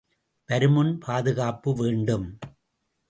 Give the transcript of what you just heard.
வருமுன் பாதுகாப்பு வேண்டும்.